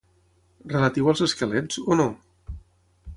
Relatiu als esquelets, o no?